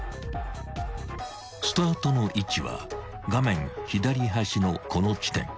［スタートの位置は画面左端のこの地点］